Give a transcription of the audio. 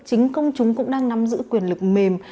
chính công chúng cũng đang nắm giữ quyền lực mềm